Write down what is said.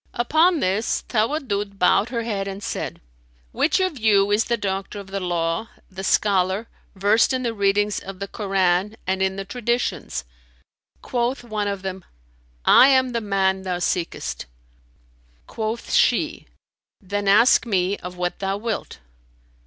Upon this Tawaddud bowed her head and said, "Which of you is the doctor of the law, the scholar, versed in the readings of the Koran and in the Traditions?" Quoth one of them, "I am the man thou seekest." Quoth she, "Then ask me of what thou wilt."